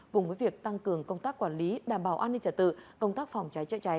cùng với việc tăng cường công tác quản lý đảm bảo an ninh trả tự công tác phòng cháy chữa cháy